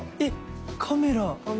えっカメラ。